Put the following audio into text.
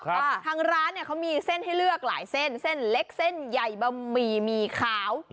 โอ้ครับทางร้านเขามีเส้นลยเลือกหลายเส้นเส้นเล็กเส้นใหญ่บะหมี่มีขาว